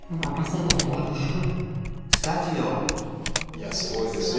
いやすごいですよ。